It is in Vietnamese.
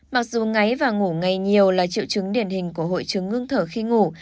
mặc dù ngáy và ngủ ngày nhiều là triệu chứng điển hình của hội chứng ngưng thở khi ngủ